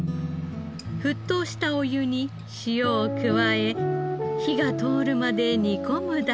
沸騰したお湯に塩を加え火が通るまで煮込むだけ。